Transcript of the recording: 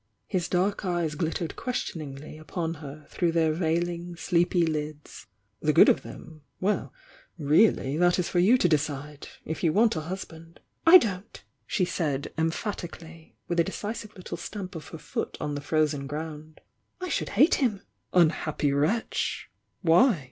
His dark eyes glittered questioningly upon her through their veiling, sleepy lids. "The good of them? Well, reaUy, that is for you to decide! If you want a husband " "I don't!" she said, emphatisally, with a decisive little stamp of her foot on the frozen ground. "I should hate himi" "Unhappy wretch ! Why?"